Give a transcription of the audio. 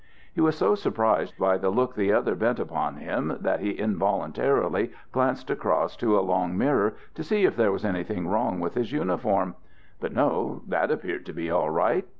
He was so surprised by the look the other bent upon him that he involuntarily glanced across to a long mirror to see if there was anything wrong with his uniform. But no, that appeared to be all right.